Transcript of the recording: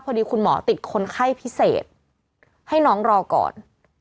พอดีคุณหมอติดคนไข้พิเศษให้น้องรอก่อน